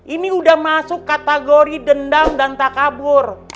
ini udah masuk kategori dendam dan takabur